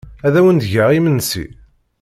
Ad awen-d-geɣ imensi?